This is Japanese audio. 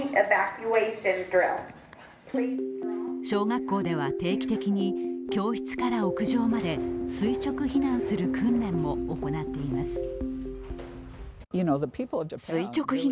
小学校では定期的に教室から屋上まで垂直避難する訓練も行っています。